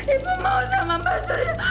ibu mau sama mbak surya